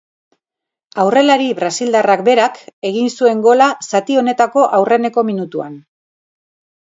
Aurrelari brasildarrak berak egin zuen gola zati honetako aurreneko minutuan.